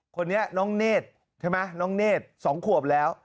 คนนี้น้องเน่ด๒ขวบแล้ว